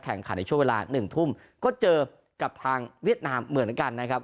แข่งขันในช่วงเวลาหนึ่งทุ่มก็เจอกับทางเวียดนามเหมือนกันนะครับ